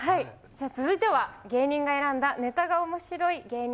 続いては芸人が選んだネタが面白い芸人